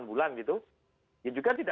bukan sesuatu yang terlalu dikhawatirkan